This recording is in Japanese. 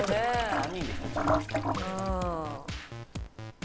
３人で１チームですからね。